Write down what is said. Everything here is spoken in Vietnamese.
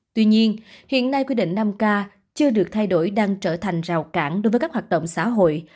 tuy nhiên hiện nay quy định năm k chưa được thay đổi đang trở thành rào cản đối với các hoạt động xã hội